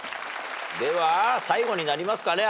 では最後になりますかね。